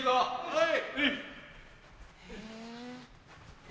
はい！